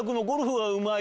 はい、